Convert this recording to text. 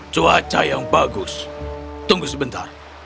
cuaca yang bagus tunggu sebentar